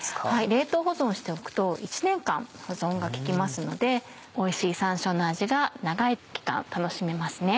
冷凍保存しておくと１年間保存が利きますのでおいしい山椒の味が長い期間楽しめますね。